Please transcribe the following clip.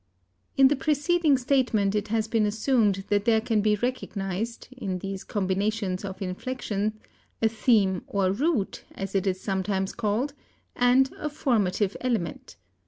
In the preceding statement it has been assumed that there can be recognized, in these combinations of inflection, a theme or root, as it is sometimes called, and a formative element.